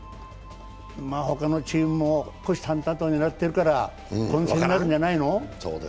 他のチームも虎視たんたんと狙ってるから混戦になるんじゃないの？